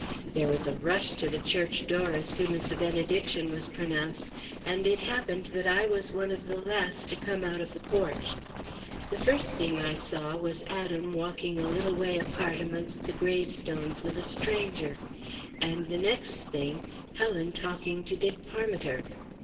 "There was a rush to the church door as soon as the benediction was pronounced, and it happened that I was one of the last to come out of the porch. The first thing that I saw was Adam walking a little way apart amongst the gravestones with a stranger, and the next thing, Helen talking to Dick Parmiter."